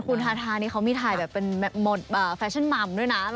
แล้วที่สำคัญคุณธาธานี้เขามีทายแบบบาแฟชั่นหม่ำด้วยนะ